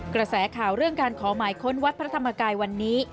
กระแสข่าวเรื่องการขอหมายค้นวัดพระธรรมกายวันนี้